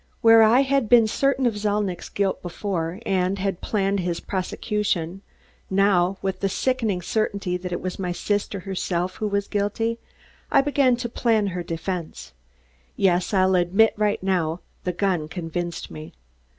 Where I had been certain of Zalnitch's guilt before, and had planned his prosecution, now, with the sickening certainty that it was my sister herself who was guilty, I began to plan her defense. Yes, I'll admit right now, the gun convinced me.